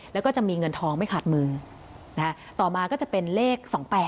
แล้วก็จะมีเงินทองไม่ขาดมือต่อมาก็จะเป็นเลข๒๘๘